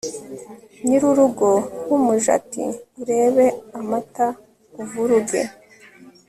nyir'urugo w'umuja ati 'urebe amata uvuruge